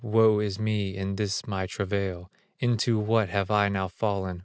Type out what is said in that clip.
Woe is me, in this my travail! Into what have I now fallen?